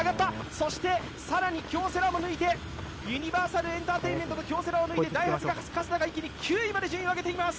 そして更に京セラも抜いてユニバーサルエンターテインメントと京セラを抜いてダイハツの加世田が一気に９位まで順位を上げています！